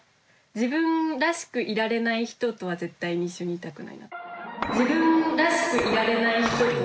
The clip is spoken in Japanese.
自分らしくいられない人とは絶対に一緒にいたくない。